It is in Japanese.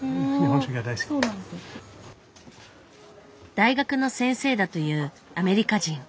大学の先生だというアメリカ人。